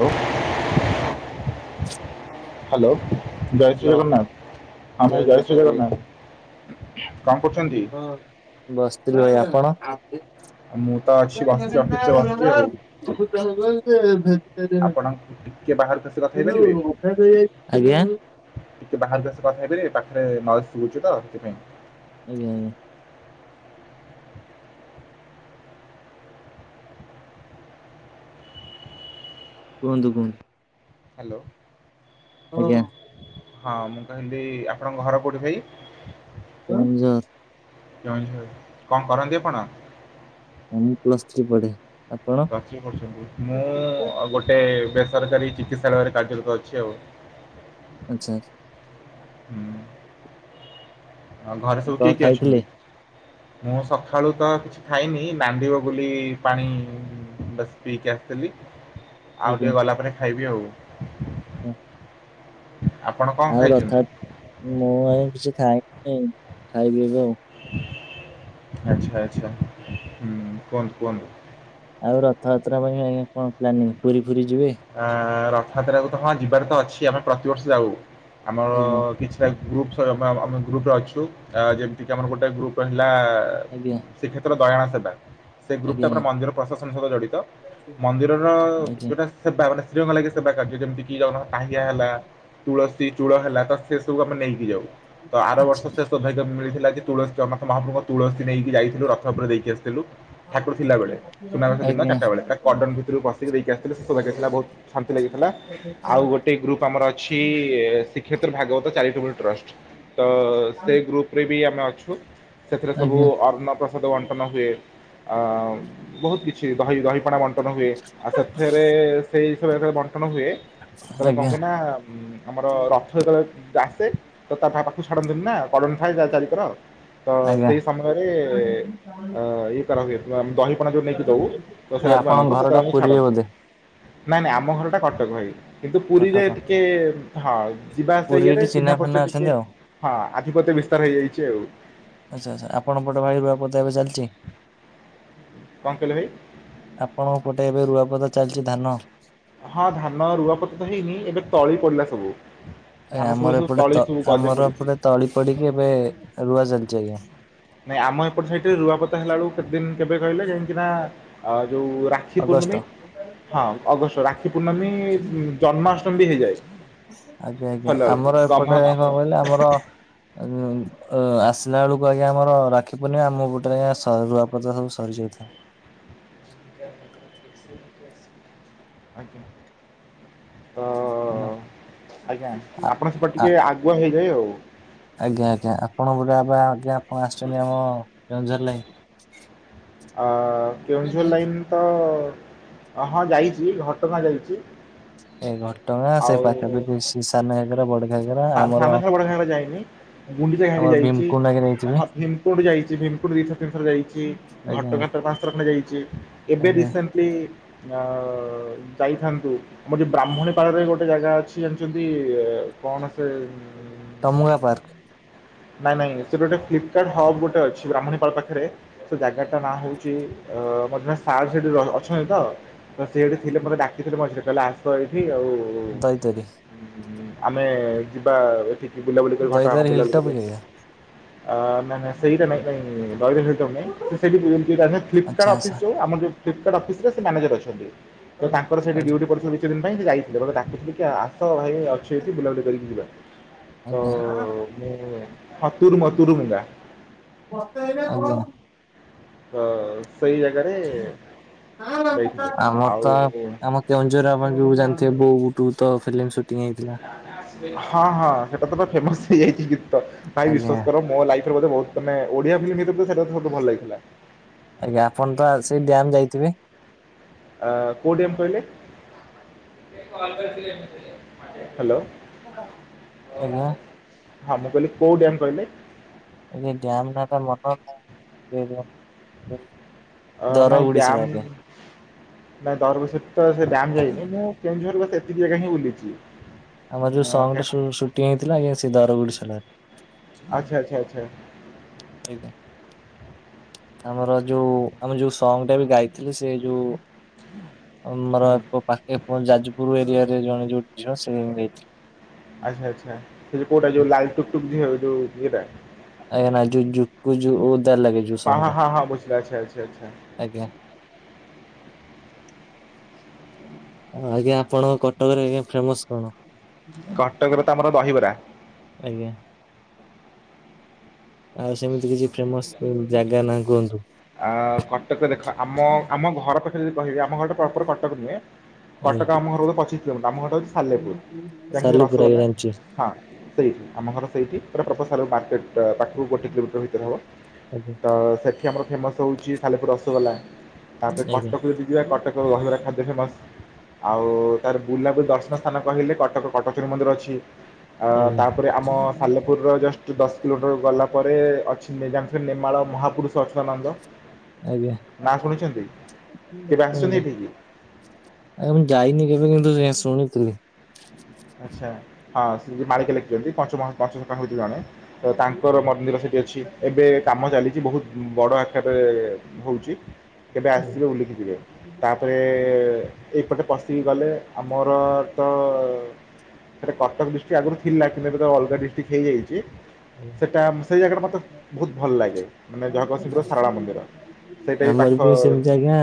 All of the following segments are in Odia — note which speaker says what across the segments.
Speaker 1: ହ୍ୟାଲୋ [inaudible] ହ୍ୟାଲୋ ଜୟ ଶ୍ରୀ
Speaker 2: ହ୍ୟାଲୋ
Speaker 1: ଜଗନ୍ନାଥ ହଁ ଭାଇ ଜୟ ଶ୍ରୀ ଜଗନ୍ନାଥ। କଣ କରୁଚନ୍ତି?
Speaker 2: ବସିଥିଲି ଭାଇ ଆପଣ? [inaudible]
Speaker 1: ମୁଁ ତ ଅଛି ବସିଛି ଅଫିସରେ ବସିଛି ଆଉ ଆପଣ ଟିକେ ବାହାରକୁ ଆସି କଥା ହେଇପାରିବେ?
Speaker 2: ଆଜ୍ଞା।
Speaker 1: ଟିକେ ବାହାରକୁ ଆସେ କଥା ହେଇପିବେ ପାଖରେ ନାଇଜ ଶୁବୁଚି ତ ସେଥିପାଇଁ।
Speaker 2: ଆଜ୍ଞା ଆଜ୍ଞା। କୁହନ୍ତୁ କୁହନ୍ତୁ।
Speaker 1: ହ୍ୟାଲୋ।
Speaker 2: ଆଜ୍ଞା।
Speaker 1: ହଁ ମୁଁ କହିଲି ଆପଣଙ୍କ ଘର କେଉଠି ଭାଇ?
Speaker 2: କେଉଁଝର।
Speaker 1: [unintelligible] କଣ କରନ୍ତି ଆପଣ?
Speaker 2: ମୁଁ ପ୍ଲସ ଥ୍ରୀ ପଢେ ଆପ
Speaker 1: ପ୍ଲସ ଥ୍ରୀ ପଢୁଚନ୍ତି ମୁଁ ଗୋଟେ ବେସରକାରୀ ଚିକିତ୍ସାଳୟରେ କାର୍ଯ୍ୟରତ ଅଛି ଆଉ।
Speaker 2: ଆଚ୍ଛା ଆଚ୍ଛା।
Speaker 1: ଆ ଘରେ ସବୁ
Speaker 2: କଣ
Speaker 1: କିଏ କିଏ
Speaker 2: ଖାଇଥିଲେ?
Speaker 1: ଅଛନ୍ତି? ମୁଁ ସକାଳୁତ କିଛି ଖାଇନି ନାନ୍ଦିବ ବୋଲିୁ ପାଣି ବାସ୍ ପିଇକି ଆସିଥିଲି ଆଉ ଟିକେ ଗଲା ପରେ ଖାଇବି ଆଉ।
Speaker 2: ହୁଁ।
Speaker 1: ଆପଣ କଣ
Speaker 2: ଆଉ ରଥଯା
Speaker 1: ଖାଇଛନ୍ତି?
Speaker 2: ମୁଁ ଆଉ କିଛି ଖାଇନି ଖାଇବି ଏବେ ଆଉ।
Speaker 1: ଆଚ୍ଛା ଆଚ୍ଛା ହୁଁ କୁହନ୍ତୁ କୁହନ୍ତୁ?
Speaker 2: ଆଉ ରଥଯାତ୍ରା ପାଇଁ ଆଜ୍ଞା କଣ ପ୍ଲାନିଂ ପୁରୀ ଫୁରୀ ଯିବେ?
Speaker 1: ଅ ରଥଯାତ୍ରାକୁତ ହଁ ଯିବାରେତ ଅଛି ଆମେ ପ୍ରତିବର୍ଷ ଯାଉ ଆମର
Speaker 2: ଆଜ୍ଞା
Speaker 1: କିଛି ଗ୍ରୁପ ଆମେ ଆମେ ଗ୍ରୁପରେ ଅଛୁ ଅ ଯେମିତିକି ଆମର ଗୋଟେ ଗ୍ରୁପ ହେଲା
Speaker 2: ଆଜ୍ଞା।
Speaker 1: ଶ୍ରୀକ୍ଷେତ୍ର ଦୟଣା ସେବା। ସେ ଗ୍ରୁପ୍ଟା ପୁରା
Speaker 2: ଆଜ୍ଞା
Speaker 1: ମନ୍ଦିର ପ୍ରଶାସନ ସହିତ ଜଡ଼ିତ ମନ୍ଦିରର
Speaker 2: ଆଜ୍ଞା।
Speaker 1: ଯେଉଁଟା ସେବା ମାନେ ଶ୍ରୀରଙ୍ଗା ଲାଗି ସେବା କାର୍ଯ୍ୟ ଯେମିତିକି କାହିଁଆ ହେଲା ତୁଳସୀ ଚୂଳ ହେଲା ତ ସେ ସବୁ ଆମେ ନେଇକି ଯାଉ ତଆର
Speaker 2: ଆଚ୍ଛା
Speaker 1: ବର୍ଷ ଶେଭାଗ୍ୟ ମିଳିଥିଲା ଯେ ତୁଳସୀ ଆମ ମହାପ୍ରଭୁ ତୁଳସୀ ନେଇକି ଯାଇଥିଲୁ ରଥ ଉପରେ ଦେଇକି ଆସିଥିଲୁ। ଠାକୁର ଥିଲା ବେଳେ ସୁନାବେସ ଦିନ
Speaker 2: ଆଜ୍ଞା
Speaker 1: ଚାରିଟା ବେଳେ ତାକଡନ ଭିତରୁକୁ ପସିକି ଦେଇକି ଆସିଥିଲୁ। ଶୋଭାଗ୍ୟ ଥିଲା ବହୁତ୍ ଶାନ୍ତି ଲାଗିଥିଲା ଆଉ ଗୋ ଗୋଟେ ଗ୍ରୁପ୍ ଆମର ଅଛି ଶ୍ରୀକ୍ଷେତ୍ର ଭାଗବତ ଚାରିଟେବଲ ଟ୍ରଷ୍ଟ ତସେଇ ଗ୍ରୁପ୍ ସେଥିରେବି ଆମେ ଅଛୁ ସେଥିରେ ସବୁ
Speaker 2: ଆଜ୍ଞା
Speaker 1: ଅନ୍ଣପ୍ରସାଦ ବଣ୍ଟନ ହୁଏ। ବହୁତ୍ କିଛି ଦହି ଦହିପଣା ବଣ୍ଟନ ହୁଏ ଆଉ ସେଥିରେ ସେଇ ବଣ୍ଟ କଟଣ ହୁଏ ଯେତେବେଳେ
Speaker 2: ଆଜ୍ଞା
Speaker 1: କଣହୁଏନା ଆମର ରଥ ଯେତେବେଳେ ଆସେ ତ ତାପାଖକୁ ଛାଡନ୍ତୁିନା କଡ଼ନି ଥାଏ ଚାରିକର ତ
Speaker 2: ଆଜ୍ଞା
Speaker 1: ସେଇ ସମୟରେ ଇଏ କରାହୁଏ ଆମେ ଦହିପଣା ଯୋଉ ନେଇକି ଦଉ
Speaker 2: ଏ
Speaker 1: ଦୋସବା
Speaker 2: ଆପଣଙ୍କ
Speaker 1: ମାନଙ୍କୁ
Speaker 2: ଘରଟା
Speaker 1: ସେତେବେଳେ ଆମକୁ
Speaker 2: ପୁରୀରେ
Speaker 1: ଛାଡ଼ନ୍ତି
Speaker 2: ବୋଧେ?
Speaker 1: ନାଇଁ ନାଇଁ ଆମ ଘରଟା କଟକ ଭାଇ। କିନ୍ତୁ ପୁରୀରେ
Speaker 2: କଟକ
Speaker 1: ଟିକେ ହଁ ଯିବା ଆସିବା
Speaker 2: ପୁରୀ ଏଠି
Speaker 1: ଇାରେ ଚିହ୍ନା
Speaker 2: ଫିହ୍ନା
Speaker 1: ପର୍ଚ
Speaker 2: ଅଛନ୍ତି
Speaker 1: ଟିକେ
Speaker 2: ଆଉ
Speaker 1: ହଁ ଆଧିପତ୍ୟ ବିସ୍ତାର ହେଇଯାଇଚି ଆଉ।
Speaker 2: ଆଚ୍ଛା ଆଚ୍ଛା ଆପଣ ପଟେ ଭାଇ ରୁଆ ପୋତା ଏବେ ଚାଲିଚି?
Speaker 1: କଣ କହିଲେ ଭାଇ?
Speaker 2: ଆପଣଙ୍କ ପଟେ ଏବେ ରୁଆପଦା ଚାଲିଚି ଧାନ?
Speaker 1: ହଁ ଧାନ ରୁଆପତତ ହେଇନି ଏବେ ତଳି ପଡ଼ିଲା ସବୁ।
Speaker 2: ଆଜ୍ଞା
Speaker 1: ଧାନ ସବୁ
Speaker 2: ଆମର
Speaker 1: ସବୁ
Speaker 2: ଏପଟେ
Speaker 1: ତଳି
Speaker 2: ତ
Speaker 1: ସବୁ ଗଜ
Speaker 2: ଆମର
Speaker 1: ପଡ଼ିଛି।
Speaker 2: ଏପଟେ ତଳି ପଡ଼ିଚି ଏବେ ରୁଆ ଚାଲିଚି ଆଜ୍ଞା।
Speaker 1: ନାଇଁ ଆମ ଏପଟେ ସାଇଟିରେ ରୁଆପୋତା ହେଲା ବେଳକୁ କେତେଦିନ କେବେ କହିଲେ ଯାଇଁକିନା ଯୋଉ ରା ରାକ୍ଷୀ
Speaker 2: ଅଗଷ୍ଟ।
Speaker 1: ପୂର୍ଣ୍ଣମୀ ହଁ ଅଗଷ୍ଟ ରାକ୍ଷୀ ପୂର୍ଣ୍ଣମୀ ଜନ୍ମାଷ୍ଟମୀ ବି ହେଇଯାଏ
Speaker 2: ଆଜ୍ଞା ଆଜ୍ଞା
Speaker 1: ସରିଲା ବେଳକୁ
Speaker 2: ଆମର
Speaker 1: ଗହ୍ମା
Speaker 2: ଏପଟେ ଯାଏ କଣ
Speaker 1: ଆମର
Speaker 2: କହିଲ ଆମର ଅ ଆସିଲା ବେଳକୁ ଆଜ୍ଞା ଆମର ରାକ୍ଷୀ ପୂର୍ଣ୍ଣିମା ଆମ ପଟରେ ଆଜ୍ଞା ରୁଆପତା ସବୁ ସରିଯାଇଥାଏ।
Speaker 1: [inaudible] ହଁ ଆଜ୍ଞା ତ
Speaker 2: ହାଲୋ
Speaker 1: ଆଜ୍ଞା
Speaker 2: ଆ
Speaker 1: ଆପଣ ସେପଟେ ଟିକେ ଆ ଗୁଆ ହେଇଯାଏ ଆଉ।
Speaker 2: ଆଜ୍ଞା ଆଜ୍ଞା ଆପଣ ବୋଧେ ଆଜ୍ଞା ଆପଣ ଆସିଛନ୍ତି ଆମ କେଉଁଝର ଲାଇନ୍?
Speaker 1: ଅ କେଉଁଝର ଲାଇନତ ହଁ ଯାଇଚି ଘଟଗାଁ ଯାଇଚି
Speaker 2: ଏ ଘଟଗାଁ ସେଇ ପାଖାପାଖି ସାନ ଘାଗରା ବଡ଼
Speaker 1: ସା ସାନଗରା ବଡ଼ ଘାଗେରା ଯାଇନି ଗୁଣ୍ଡିଚା ଖାଇକି
Speaker 2: ଆମର
Speaker 1: ଯାଇଚି
Speaker 2: ଭୀମକୁଣ୍ଡ ଆଜ୍ଞା ଯାଇଥିବେ
Speaker 1: ହଁ ଭୀମକୁଟ ଯାଇଚି ଭୀମକୁଟ ଦିଥର ତିନିଥର ଯାଇଚି
Speaker 2: ଆଜ୍ଞା
Speaker 1: ଘଟଗାଁ ପାଞ୍ଚ ଥର ଖଣ୍ଡେ ଯାଇଚି। ଏବେ
Speaker 2: ଆଜ୍ଞା
Speaker 1: ରିସେଣ୍ଟଲି ଆଁ ଯାଇଥାନ୍ତୁ ଆମର ଯୋଉ ବ୍ରାହ୍ମୁଣୀ ପାଳରେ ଗୋଟେ ଜାଗା ଅଛି ଜଣିଛନ୍ତି କଣ ସେ
Speaker 2: ତମୁଙ୍ଗା ପାର୍କ।
Speaker 1: ନାଇଁ ନାଇଁ ସେଟ ଗୋଟ ଫ୍ଲିପକାର୍ଟ ହବ୍ ଗୋଟ ଅଛି ବ୍ରାହ୍ମୁଣିପାଳ ପାଖରେ ସେ ଜାଗା ଟା ନାଁ ହଉଛି ମଧ୍ୟ ସାର୍ ସେଠି ଅଛନ୍ତି ତ? ତ ସେଠି ଥିଲେ ମତେ ଡାକିଥିଲେ ମଝିରେ କହିଲେ ଆସ ଏଇଠି ଆଉ। ହଁ
Speaker 2: ଦଇତାରି।
Speaker 1: ଆମେ ଯିବା ଏଠିକି ବୁଲାବୁଲି କରି ଘଟ
Speaker 2: ଦଇଦାର
Speaker 1: ଗାଆ
Speaker 2: ହିଲ୍
Speaker 1: ବୁଲାବୁଲି
Speaker 2: ଟପ୍ କି
Speaker 1: କରିବା। ଆ ନା ନା ସେଇଟା ନାଇଁ ସେଇଠି ଫ୍ଲିପକାର୍ଟ
Speaker 2: ଆଚ୍ଛା ଆଚ୍ଛା
Speaker 1: ଅଫିସ୍ ଯଉ ଆମର ଯଉ ଫ୍ଲିପକାର୍ଟ ଅଫିସରେ ସେ ମ୍ୟାନେଜର ଅଛନ୍ତି ତ ତାଙ୍କର ସେଇଠ
Speaker 2: ଆଜ୍ଞା।
Speaker 1: ଡ୍ୟୁଟି ପଡିଛି କିଛି ଦିନ ପାଇଁ ସେ ଯାଇଥିଲେ। [unintelligible] ତ ଭାଇ ମୁଁ ଅଛି ଏଠି ବୁଲାବୁଲି କରିକି ଯିବା।
Speaker 2: ଆଜ୍ଞା।
Speaker 1: ହତୁୁର ମତୁରୁ [unintelligible]
Speaker 2: ମତେ ହେଇବେ କଣ।
Speaker 1: ହଁ ସେଇ ଜାଗାରେ ଯାଇଥିଲେ
Speaker 2: ଆମର
Speaker 1: ଆଉ
Speaker 2: ତ ଆମ [unintelligible] ବୋଉ ବୁଟୁ ଭୁତ ଫିଲ୍ମ ସୁଟିଂ ହେଇଥିଲା।
Speaker 1: ହଁ ହଁ ସେଟା ତ ଫେମସ ହେଇଯାଇଛି ଗୀତ ଭାଇ
Speaker 2: ଆଜ୍ଞା।
Speaker 1: ବିଶ୍ଵାସ କର। ମୋ ଲାଇଫରେ ଗୋଟେ ବହୁତ ମାନେ ଓଡିଆ ଫିଲ୍ମତ ଭଲ ଲାଗିଥିଲା।
Speaker 2: ଆଜ୍ଞା ଆପଣ ତ ସେଇ ଡ୍ୟାମ ଯାଇଥିବେ?
Speaker 1: ଅ କୋଉ ଡ୍ୟାମ୍ କହିଲେ ହ୍ୟାଲୋ।
Speaker 2: ଆଜ୍ଞା।
Speaker 1: ହଁ ମୁଁ କହିଲି କୋଉ ଡ଼୍ୟାମ କହିଲେ?
Speaker 2: ଏ ଡ଼୍ୟାମଟା ତ [unintelligible]
Speaker 1: ଅ ନାଇଁ ଡ୍ୟାମ୍
Speaker 2: ଦରଗୋଡ଼ିଶିଲା ଆଜ୍ଞା।
Speaker 1: [inaudible] ନାଇଁ ଦରଗୋଡିଶିଲା ତ ସେ ଡ଼୍ୟାମ ଯାଇଛି। ମୁଁ କେଉଁଝର ଏତିକି ଜାଗା ହିଁ ବୁଲିଛି।
Speaker 2: ଆମର ଯଉ ସଙ୍ଗ ଟା ସୁଟିଂ ହେଇଥିଲା ଆଜ୍ଞା ସେ ଦରଗୁଡିଶିଳା ରେ।
Speaker 1: ଆଛା ଆଚ୍ଛା ଆଛା।
Speaker 2: ଆଜ୍ଞା। ଆମର ଯଉ ଆମେ ଯଉ ସଙ୍ଗଟା ବି ଗାଇଥିଲେ ସେ ଯୋଉ ଆମର
Speaker 1: ହୁଁ
Speaker 2: ପାଖେ ଯାଜପୁର ଏରିଆ ରେ ଜଣେ ଯୋଉ ଝିଅ ସେ ଗାଇଥି
Speaker 1: ଆଚ୍ଛା ଆଛା ସେ କଉଟା ଯଉ ଲା ଟୁକ୍ ଟୁକ୍ ଝିଅ ଯଉ ଇଏଟା।
Speaker 2: ଆଜ୍ଞା ଯୁ ଯୁ ଯୁ ଓଦା ଲାଗେ ଜଉ
Speaker 1: ହଁ
Speaker 2: ସଙ୍ଗ
Speaker 1: ହଁ
Speaker 2: ଟା
Speaker 1: ହଁ ହଁ ବୁଝିଲି ଆଚ୍ଛା ଆଚ୍ଛା ଆଚ୍ଛା
Speaker 2: ଆଜ୍ଞା। ଆଜ୍ଞା ଆପଣଙ୍କ କଟକରେ ଫେମସ କଣ?
Speaker 1: କଟକରେ ତ ଆମର ଦହିବରା।
Speaker 2: ଆଜ୍ଞା। ଆଉ ସେମିତି କିଛି ଫେମସ ଜାଗା ନା କୁହନ୍ତୁ?
Speaker 1: ଆ କଟକ ଦେଖ ଆମ ଆମ ଘର ପାଖରେ ଯଦି କହିବେ ଆମ ଘରଟା ପ୍ରପର କଟକ ନୁହେଁ।
Speaker 2: ଆଜ୍ଞା।
Speaker 1: କଟକ ଆମ ଘର ପଚିଶ କିଲୋମିଟର ଆମ ଘର ହଉଛି ସାାଲେପୁର ଜାଣିଛନ୍ତି ରସ
Speaker 2: ସାଲେପୁର ଆଜ୍ଞା
Speaker 1: ଗୋଲା।
Speaker 2: ଜାଣିଛି
Speaker 1: ହଁ ସେଇଠି ଆମ ଘର ସେଇଠି [unintelligible] ମାର୍କେଟ। ପାଖକୁ ଗୋଟେ କିଲୋମିଟର ଭିତରେ ହେବ
Speaker 2: ଆଜ୍ଞା
Speaker 1: ତ ସେଠ ଫେମସ ହଉଛି ସାଲେପୁର ରସଗୋଲା ତାପରେ
Speaker 2: ଆଜ୍ଞା
Speaker 1: କଟକ ଯଦି ଯିବା କଟକ ଦହିବରା ଖାଦ୍ୟ ଫେମସ୍। ଆଉ ତାର ବୁଲାବୁଲି ଦର୍ଶନ ସ୍ଥାନ କହିଲେ କଟକ କଟଚରୀ ମନ୍ଦିର ଅଛି। ଅ
Speaker 2: ଆଜ୍ଞା
Speaker 1: ତା ପରେ ଆମ ସାଲପୁର ର ଜଷ୍ଟ ଦଶ କିଲୋମିଟର ଗଲା ପରେ ଅଚ୍ଛି ଜାଣିଥିବେ ନେମାଳ ମହାପୁରୁଷ ଅଛିତାନନ୍ଦ।
Speaker 2: ଆଜ୍ଞା। ଆଜ୍ଞା
Speaker 1: ନା ଶୁଣିଛନ୍ତି କେବେ ଆସିଛନ୍ତି ଏଠିକି?
Speaker 2: ଆରେ ମୁଁ ଯାଇନି କେବେ କିନ୍ତୁ ସେ ଶୁଣିଥିଲି।
Speaker 1: ଆଚ୍ଛା ହଁ ସେ ଯେ ମାଳିକା ଲେଖିଛନ୍ତି ପଞ୍ଚ ମାସ ପାଞ୍ଚଶଖା ହେଇଛି ଜଣେ। ତ ତାଙ୍କର ମନ୍ଦିର ସେଠି ଅଛି। ଏବେ କାମ ଚାଲିଛି ବହୁତ ବଡ ଆକରରେ ହଉଛି। କେବେ ଆସିଥିବେ ବୋଲିକି ଯିବେ ତାପରେ ଏଇପଟେ ପଶିକି ଗଲେ ଆମର ତ ସେଟା କଟକ ଡିଷ୍ଟିକ ଆଗରୁ ଥିଲା କିନ୍ତୁ ଏବେ ତ ଅଲଗା ଡିଷ୍ଟିକ୍ ହେଇଯାଇଛି। ସେଇଟା ସେଇ ଜାଗାଟା ମୋତେ ବହୁତ ଭଲ ଲାଗେ ମାନେ ଜଗତସିଂହର ସାରଳା ମନ୍ଦିର। ସେଇଟା ପାଖ
Speaker 2: ଆମର ବି ସେମିତି ଆଜ୍ଞା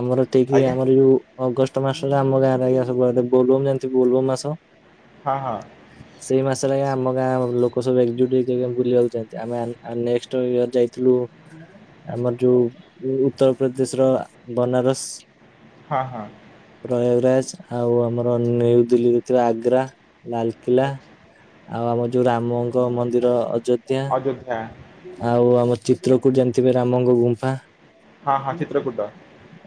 Speaker 2: ଆମର ଠିକ୍
Speaker 1: ଆଜ୍ଞା
Speaker 2: ଆମର ଯୋଉ ଅଗଷ୍ଟ ମାସରେ ଆମ ଗାଁରେ ଆଜ୍ଞା ବୋଲୁମ୍ ଯାଆନ୍ତି ବୋଲବମ୍ ମାସ।
Speaker 1: ହଁ ହଁ।
Speaker 2: ସେଇ ମାସରେ ଆମ ଗାଁ ଲୋ ଲୋକ ସବୁୁ ଏକ୍ ଜୁଟ। ପ୍ରି ଯୁଗେ ବୁଲିବାକୁ ଯାଆନ୍ତି ଆମେ ଆ -ନେକ୍ସଟ୍ ୟିଅର୍ ଯାଇଥିଲୁ ଆମର ଯୋଉ ଉ ଉତ୍ତରପ୍ରଦେଶ ର ବନାରସ।
Speaker 1: ହଁ ହଁ।
Speaker 2: ପ୍ରୟାଗରାଜ ଆଉ ଆମର ନ୍ୟୁ ଦିଲ୍ଲୀରେ ଥିବା ଆଗ୍ରା ଲାଲ କିଲା
Speaker 1: ଆଚ୍ଛା।
Speaker 2: ଆଉ ଆମ ଯୋଉ ରାମଙ୍କ ମନ୍ଦିର ଅଯୋଧ୍ୟା।
Speaker 1: ଯୋଧା।
Speaker 2: ଆଉ ଆମ ଚିତ୍ରକୁୂଟ ଯାଣିିଥିବେ ରାମଙ୍କ ଗୁ ଗୁମ୍ଫା।
Speaker 1: ହଁ ହଁ ଚିତ୍ରକୁଟ।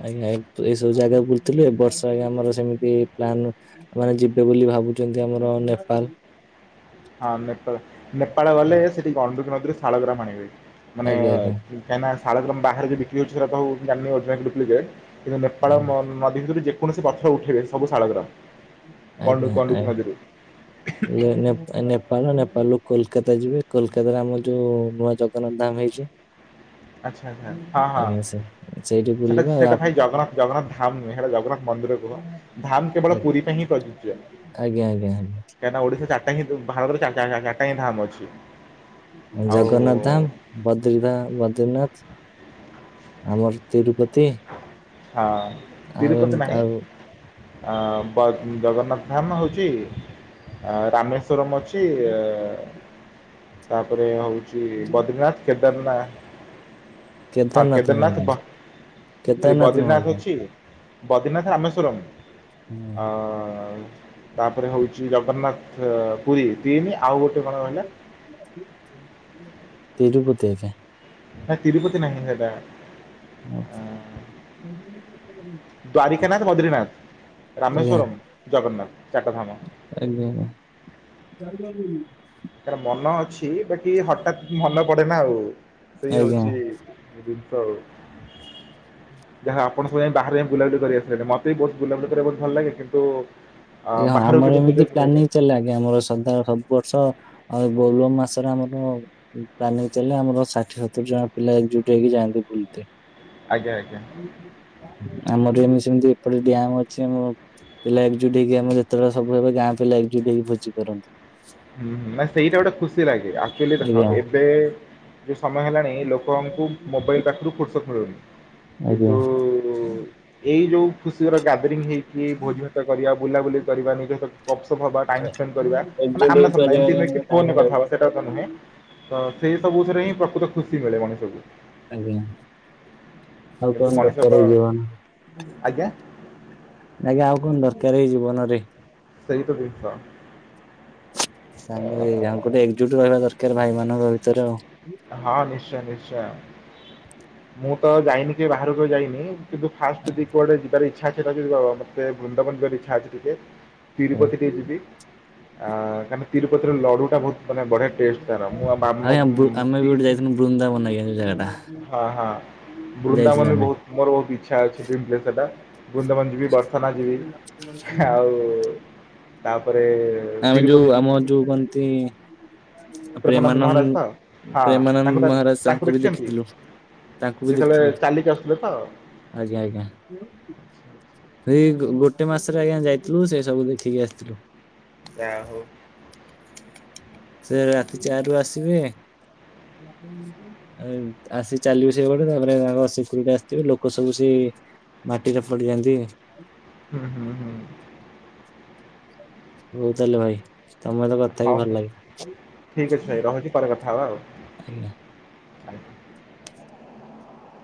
Speaker 2: ଆଜ୍ଞା ଏଇ ସବୁ ଜାଗା ବୁଲଥିଲୁ, ଏ ବର୍ଷ ଆଜ୍ଞା ଆମର ସେମିତି ପ୍ଲାନ ମାନେ ଯିବେ ବୋଲି ଭାବୁଛନ୍ତି ଆମର ନେପାଲ୍।
Speaker 1: ହଁ ନେପାଳ ନେପାଳ ଗଲେ ସେଠି ଗଣ୍ଡୁକ ନଦୀରେ ଶାଳଗ୍ରାମ ଆଣିବେ ମାନେ
Speaker 2: ଆଜ୍ଞା ଆଜ୍ଞା
Speaker 1: କାହିକିନା ଶାଳ ଗ୍ରାମ ବାହାରେ ଯଉ ବିକ୍ରି ହଉଚି ସେଟା ମୁ ଜାଣିନି ଅଧିକ [unintelligible] କିନ୍ତୁ ନେପାଳ
Speaker 2: ଆଜ୍ଞା
Speaker 1: ନ ନଦୀ ଭିତୁରେ ଯେକୌଣସି ପଥର ଉଠେଇବେ ସବୁ ଶାଳଗ୍ର କଣ୍ଡୁ
Speaker 2: ଆଜ୍ଞା ଆଜ୍ଞା।
Speaker 1: କଣ୍ଡୁକୁ ମଝିରୁ
Speaker 2: ନେ ନେପାଳ ନେପାଳ ନେପାଳରୁୁ କୋଲକାତା ଯିବେ କୋଲକାତାରେ ଆମର ଯୋଉ ନୂଆ ଜଗନ୍ନାଥ ଧାମ ହେଇଛି
Speaker 1: ଆଚ୍ଛା ଆ୍ଛା ହଁ ହଁ
Speaker 2: ଆଜ୍ଞା ସେ ସେଇଠି
Speaker 1: ସେଟା
Speaker 2: ବୁଲିବା ଆଉ
Speaker 1: ସେଟା
Speaker 2: ଆପ
Speaker 1: ଭାଇ ଜଗନ୍ନାଥ ଜଗନ୍ନାଥ ଧାମ ନୁହେଁ ସେଇଟା ଜଗନ୍ନାଥ ମନ୍ଦିର କୁହ ଧାମ କେବଳ
Speaker 2: ଆଜ୍ଞା
Speaker 1: ପୁରୀ ପାଇଁ ହିଁ ପ୍ରଯୁଜ୍ୟ
Speaker 2: ଆଜ୍ଞା ଆଜ୍ଞା
Speaker 1: କାହିଁକିନା ଓଡିଶା ଚାରିଟା ହିଁଭୁ ଭାରତର ଚା ଚା ଚାରିଟା ହିଁ ଧାମ ଅଛି।
Speaker 2: ଆଉ ଜଗନ୍ନାଥ ଧାମ ବଦ୍ରିନା ବଦ୍ରିନାଥ ଆମର ତିରୁପତି
Speaker 1: ହଁ
Speaker 2: ଆଉ
Speaker 1: ତିରୁପତି
Speaker 2: ଏମତି
Speaker 1: ନାହିଁ
Speaker 2: ଆଉ
Speaker 1: ଅ ଜଗ ଜଗନ୍ନାଥ ଧାମ ହଉଛି ରାମେଶ ସ୍ୱର ନ ଅଛି ତାପରେ ହଉଛି ବଦ୍ରିନାଥ କେଦାର ନା
Speaker 2: କେଦାର ନାଥ ମନ୍ଦିର ଅଛି
Speaker 1: ଖାଲି ବଦ୍ରିନାଥ ଅଛି ବଦ୍ରିନାଥ ରାମେସ୍ୱର୍
Speaker 2: ହୁଁ
Speaker 1: ଆଉ ତାପରେ ହଉଛି ଜଗନ୍ନାଥ ପୁରୀ ତିନି ଆଉ ଗୋଟେ କଣ ରହିଲା
Speaker 2: ତିରୁପତି ଅଛି
Speaker 1: ହ ତିରୁପତି ନ [unintelligible]
Speaker 2: ଓ [unintelligible]
Speaker 1: ଦଦ୍ଵାରିକନାଥ ବଦ୍ରିନାଥ
Speaker 2: ଆଜ୍ଞା
Speaker 1: ରାମେଶ୍ଵରମ୍ ଜଗନ୍ନାଥ ଚାରିଟା ଧାମ
Speaker 2: ଆଜ୍ଞା ଆଜ୍ଞା
Speaker 1: ତାର ମନ ଅଛି ବାକି ହଠାତ୍ ମନ ପଡେ ନା ଆଉ ସେଇ
Speaker 2: ଆଜ୍ଞା
Speaker 1: ହଉଛି [unintelligible] ଯାହା ଆପଣ ବାହାରେ ବୁଲାବୁଲି କରି ଆସିଲେଣି ମତେ ବି ବହୁତ ବୁଲାବୁଲି କରିବାହୁତ ଭଲ ଲାଗେ କିନ୍ତୁ ଅ
Speaker 2: ଆଜ୍ଞ ହଁ
Speaker 1: ବାହାରକୁ
Speaker 2: ଆମର
Speaker 1: କେବେ
Speaker 2: ଏମିତି
Speaker 1: ସୁଯୋଗ ମିଳେନି
Speaker 2: ପ୍ଲାନିଂ ଚାଲେ ଆଜ୍ଞା ଆମ ସଦା ବର୍ଷ ଆଉ ଏ ବୋଲବମ ମାସରେ ଆମର ପ୍ଲାନିଂ ଚାଲେ ଆମର ଷାଠିଏ ସତୁରି ଜଣ ପିଲା ଏକଜୁଟ ହେଇକି ଯାଆନ୍ତି ବୁଲ
Speaker 1: ଆଜ୍ଞା ଆଜ୍ଞା।
Speaker 2: ଆମର ଏମିତି ସେମତି ଏପଟେ ଡ୍ୟାମ୍ ଅଛି ଆମ ପିଲା ଏଜୁଟ ହେକି ଆମ ଯେତେବେଳେ ସବୁବେ ଗାଁ ପିଲା ଏକଜୁଟ ହେକି ଭୋଜି କରନ୍ତି।
Speaker 1: ହୁଁ ହୁଁ ନା ସେଇଟା ଗୋଟେ ଖୁସି ଲାଗେ ଆକ୍ଚୁଆଲି ଦେଖ
Speaker 2: ଆଜ୍ଞା
Speaker 1: ଏବେ ଯେଉଁ ସମୟ ହେଲାଣି ଲୋକଙ୍କୁ ମୋବାଇଲ ପାଖରୁ ଫୁର୍ସତ ମିଳୁନି
Speaker 2: ଆଜ୍ଞା।
Speaker 1: କିନ୍ତୁ ତ ଏଇ ଯୋଉ ଖୁସିର ଗ୍ୟାଦରିଂ ହେଇକି ଭୋଜି ଭାତ କରିବା ବୁଲାବୁଲି କରିବା ନିଜ ଗପସପ ହବା ଟାଇମ୍ ସ୍ପେଣ୍ଡ କରିବା
Speaker 2: ଏକଜୁଟ
Speaker 1: ମାନେ
Speaker 2: ହେଇ
Speaker 1: ଆମ୍
Speaker 2: କରିବା
Speaker 1: ଏମି ନୁହେଁ କି
Speaker 2: ପାଇଁ ଟାଇମ
Speaker 1: ଫୋନରେ କଥା
Speaker 2: ଯାଉଛି।
Speaker 1: ହବା ସେଇଟା ତ ନୁହେଁ। ତ ସେଇ ସବୁଥିରେ ହିଁ ପ୍ରକୃତ ଖୁସି ମିଳେ ମଣିଷକୁ।
Speaker 2: ଆଜ୍ଞା
Speaker 1: କିନ୍ତୁ ମଣିଷ ତ
Speaker 2: [unintelligible]
Speaker 1: ଆଜ୍ଞା
Speaker 2: ଆଜ୍ଞା ଆଉ କଣ ଦରକାର ଏଇ ଜୀବନରେ?
Speaker 1: [unintelligible]
Speaker 2: ସାଙ୍ଗ ଏଇ ଗୋଟେ ଏକଜୁଟ ରହିବା ଦରକାର ଭାଇ ମାନଙ୍କ ଭିତରେ ଆଉ।
Speaker 1: ହଁ ନିଶ୍ଚୟ ନିଶ୍ଚୟ ମୁଁ ତ ଯାଇନି କି ବାହାରକୁ ଯାଇନି କିନ୍ତୁ ଫାଷ୍ଟ ଯଦି କୁଆଡେ ଯିବାର ଇଚ୍ଛା ଅଛି ଯ ମତେ ବୃନ୍ଦାବନ ଯିବାର ଇଛା ଅଛି ଟିକେ। ତିରୁପତି ଟିକେ ଯିବି ଆ କାହିଁକି ତିରୁପତିର ଲଡୁ ଟା ବହୁତ ମାନେ ବଢିଆ। ଟେଷ୍ଟ ତାର ମୁଁ ଆ
Speaker 2: ଆଜ୍ଞା ବୃ
Speaker 1: [unintelligible]
Speaker 2: ଆମେ ବି ଗୋଟେ ବୃନ୍ଦାବନ [unintelligible] ଜାଗାଟା
Speaker 1: ହଁ ହଁ। ବୃନ୍ଦାବନ ବି ବହୁତ ମୋର ବହୁତ ଇଚ୍ଛା ଅଛି ଡ୍ରିମ୍ ପ୍ଲେସ୍ ସେଟା ବୃନ୍ଦାବନ ଯିବି ବର୍ସନା ଯିବି ଆଉ ତାପରେ
Speaker 2: ଆମେ ଯୋଉ
Speaker 1: ତିରୁପତି
Speaker 2: ଆମ
Speaker 1: ଯିବି
Speaker 2: ଯୋଉ କହନ୍ତି
Speaker 1: ମହାରାଜ ତ
Speaker 2: ପ୍ରେମାନନ୍ଦ
Speaker 1: ହଁ ତାଙ୍କୁ
Speaker 2: ପ୍ରେମାନନ୍ଦ
Speaker 1: ତା-
Speaker 2: ମହାରାଜ ତାଙ୍କୁ ବି
Speaker 1: ଦେଖିଛନ୍ତି
Speaker 2: ଦେଖିଥିଲୁ। ତାଙ୍କୁ ବି
Speaker 1: ଯେତେବେଳେ
Speaker 2: ଦେଖିଥିଲୁ
Speaker 1: ଚାଲିକି ଆସୁଥିଲେ ତ
Speaker 2: ଆଜ୍ଞା ଆଜ୍ଞା। ସେଇ ଗୋଟେ ମାସରେ ଆଜ୍ଞା ଯାଇଥିଲୁ ସେ ସବୁ ଦେଖିକି ଆସିଥିଲୁ।
Speaker 1: ଆ ହଉ।
Speaker 2: ସେ ରାତି ଚାରି ରୁ ଆସିବେ ଆସି ଚାଲିବୁ ସେପଟେ ତାପରେ ତାଙ୍କ ସେକ୍ୟୁରିଟୀ ଆସିଥିବେ ଲୋକ ସବୁ ସେଇ ମାଟିରେ ପଡି ଯାନ୍ତି।
Speaker 1: ହୁଁ ହୁଁ ହୁଁ।
Speaker 2: ହଉ ତାହେଲେ ଭାଇ ତମେ ତ କ
Speaker 1: ହଉ ହଉ ଠିକ ଅଛି ଭାଇ ରହୁଛି ପରେ କଥା ହବା ଆଉ।
Speaker 2: ଆଜ୍ଞା।